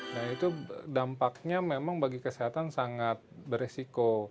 nah itu dampaknya memang bagi kesehatan sangat beresiko